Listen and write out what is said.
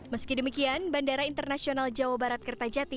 meski demikian bandara internasional jawa barat kertajati